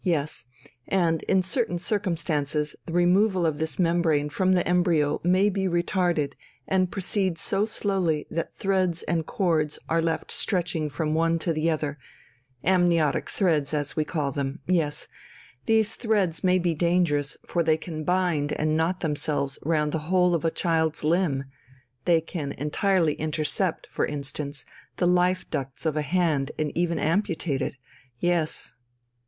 Yes. And in certain circumstances the removal of this membrane from the embryo may be retarded and proceed so slowly that threads and cords are left stretching from one to the other ... amniotic threads as we call them, yes. These threads may be dangerous, for they can bind and knot themselves round the whole of a child's limb; they can entirely intercept, for instance, the life ducts of a hand and even amputate it. Yes."